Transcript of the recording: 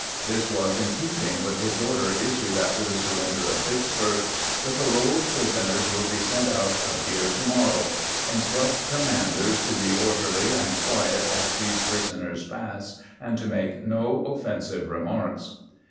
This was in keeping with his order issued after the surrender of Vicksburg :" The paroled prisoners will be sent out of here to morrow. ... Instruct the commanders to be orderly and quiet as these prisoners pass, and to make no offensive remarks."